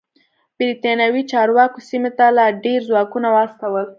برېتانوي چارواکو سیمې ته لا ډېر ځواکونه واستول.